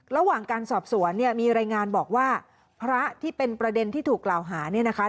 ระหว่างการสอบสวนเนี่ยมีรายงานบอกว่าพระที่เป็นประเด็นที่ถูกกล่าวหาเนี่ยนะคะ